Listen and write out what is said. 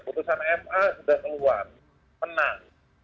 putusan ma sudah keluar menang